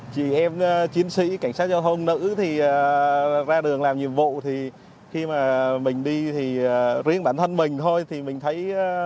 chị em chiến sĩ cảnh sát giao thông nữ thì ra đường làm nhiệm vụ thì khi mà mình đi thì riêng bản thân mình thôi thì mình thấy